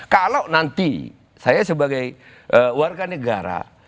kalau nanti saya sebagai warga negara